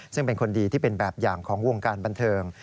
ซึ่งเป็นคนดีที่เป็นแบบอย่างของวงการบันเทิง